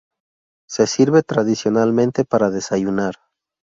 Se sirve tradicionalmente para desayunar.